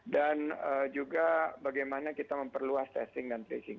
dan juga bagaimana kita memperluas testing dan tracing